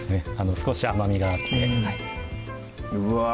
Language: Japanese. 少し甘みがあってうわ